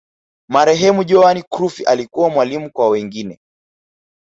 marehemu johan crufy alikuwa mwalimu kwa wengine